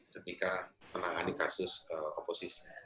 ketika menahan kasus kepolisian